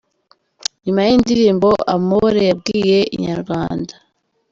Nyuma y’iyi ndirimbo Amore yabwiye Inyarwanda.